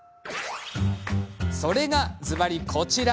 それがずばり、こちら。